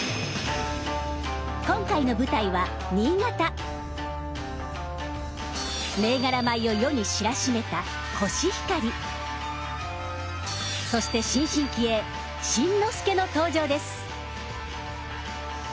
今回の舞台は銘柄米を世に知らしめたそして新進気鋭「新之助」の登場です！